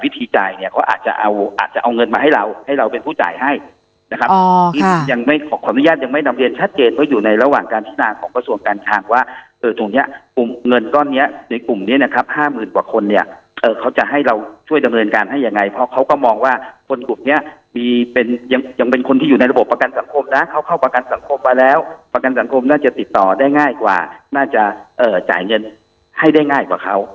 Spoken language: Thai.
ถามว่าเอ่อตรงเนี้ยกลุ่มเงินก้อนเนี้ยในกลุ่มเนี้ยนะครับห้าหมื่นกว่าคนเนี้ยเอ่อเขาจะให้เราช่วยดำเรียนการให้ยังไงเพราะเขาก็มองว่าคนกลุ่มเนี้ยมีเป็นยังยังเป็นคนที่อยู่ในระบบประกันสังคมนะเขาเข้าประกันสังคมมาแล้วประกันสังคมน่าจะติดต่อได้ง่ายกว่าน่าจะเอ่อจ่ายเงินให้ได้ง่ายกว่าเขา